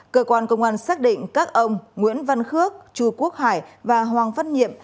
cơ quan công an xác định các ông nguyễn văn khước chu quốc hải và hoàng văn nhiệm